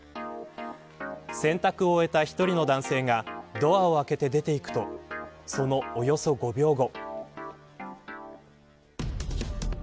洗濯を終えた１人の男性がドアを開けて出ていくとそのおよそ５秒後。